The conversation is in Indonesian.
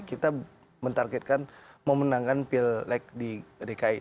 kita menargetkan memenangkan pileg di dki